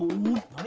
「何？